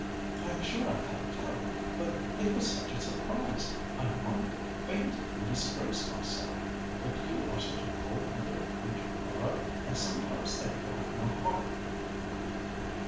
"I am sure I can't tell. But it was such a surprise. I might have fainted and disgraced myself. But you are such a cold blooded creature, Laura; I sometimes think you have no heart."